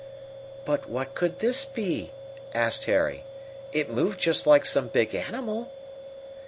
"But what could this be?" asked Harry. "It moved just like some big animal."